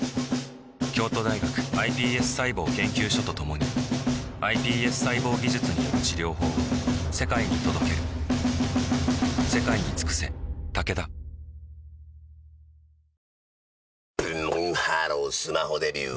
京都大学ｉＰＳ細胞研究所と共にｉＰＳ細胞技術による治療法を世界に届けるブンブンハロースマホデビュー！